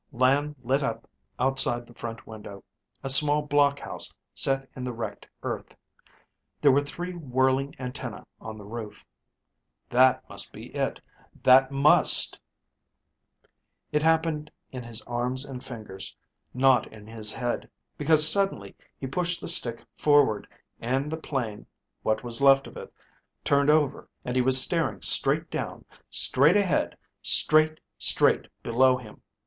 Land lit up outside the front window; a small block house set in the wrecked earth. There were three whirling antennae on the roof. That must be it! That must! It happened in his arms and fingers, not in his head. Because suddenly he pushed the stick forward, and the plane, what was left of it, turned over and he was staring straight down, straight ahead, straight, straight below him.